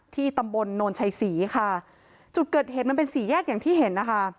ที่ตำบลโนนชัยศรีค่ะจุดเกิดเหตุมันเป็นสี่แยกอย่างที่เห็นนะคะ